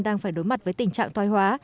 đang phải đối mặt với tình trạng tói hóa